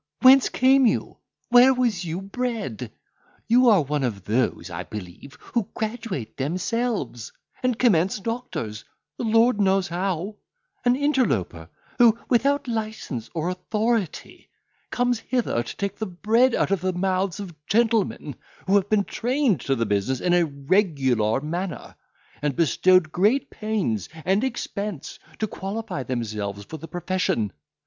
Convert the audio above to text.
—whence came you?—where was you bred? You are one of those, I believe, who graduate themselves, and commence doctors, the Lord knows how; an interloper, who, without licence or authority, comes hither to take the bread out of the mouths of gentlemen who have been trained to the business in a regular manner, and bestowed great pains and expense to qualify themselves for the profession.